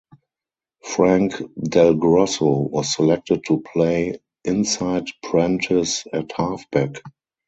Frank Delgrosso was selected to play inside Prentice at halfback.